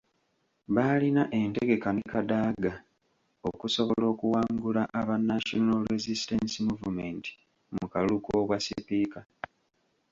Baalina entegeka ne Kadaga okusobola okuwangula aba National Resistance Movement mu kalulu k'obwa sipiika .